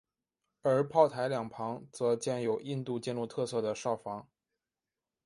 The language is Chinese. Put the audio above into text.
而炮台两旁则建有印度建筑特色的哨房。